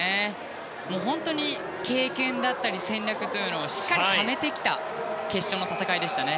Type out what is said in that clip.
本当に経験だったり戦略というのをしっかりためてきた決勝の戦いでしたね。